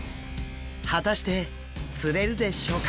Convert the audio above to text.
果たして釣れるでしょうか？